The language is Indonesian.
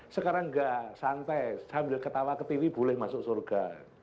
sekarang nggak santai sambil ketawa ketiri boleh masuk surga